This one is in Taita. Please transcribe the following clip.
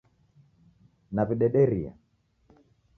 Naw'idederia